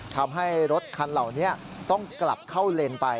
ทำให้รถคันเหล่านี้ต้องกลับเข้าเลนไป